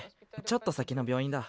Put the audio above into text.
ちょっと先の病院だ。